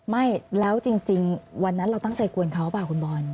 ไม่แล้วจริงวันนั้นเราตั้งใจกวนเขาหรือเปล่าคุณบอล